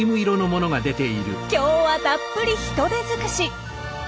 今日はたっぷりヒトデづくし。